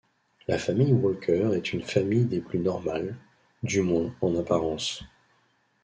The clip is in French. La famille Walker est une famille des plus normales, du moins en apparence.